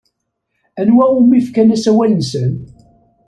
Anwa umi fkan asawal-nsen?